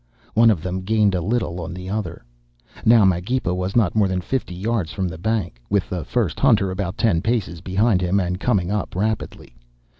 One of them gained a little on the other. "Now Magepa was not more than fifty yards from the bank, with the first hunter about ten paces behind him and coming up rapidly.